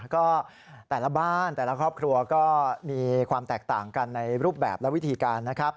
ก็แต่ละบ้านแต่ละครอบครัวก็มีความแตกต่างกันในรูปแบบและวิธีการนะครับ